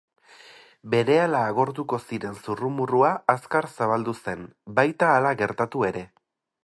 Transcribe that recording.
Berehala agortuko ziren zurrumurrua azkar zabaldu zen, baita hala gertatu ere!